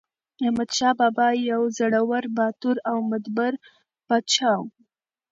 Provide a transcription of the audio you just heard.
احمدشاه بابا یو زړور، باتور او مدبر پاچا و.